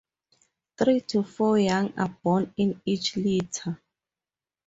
Three to four young are born in each litter.